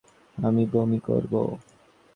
আমি বমি করবো।